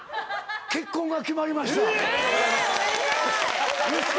結婚が決まりましたウソ！？